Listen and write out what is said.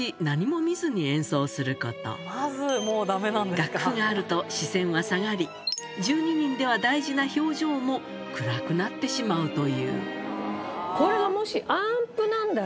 楽譜があると視線は下がり１２人では大事な表情も暗くなってしまうというこれがもし。